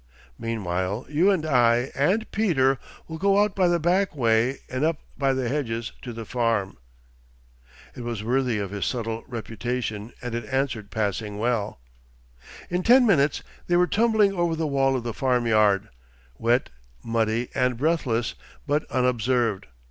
Meanwhile you and I and Peter will go out by the back way and up by the hedges to the farm....' It was worthy of his subtle reputation and it answered passing well. In ten minutes they were tumbling over the wall of the farm yard, wet, muddy, and breathless, but unobserved.